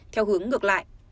theo hướng ngược lại